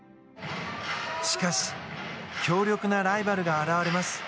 しかし、強力なライバルが現れます。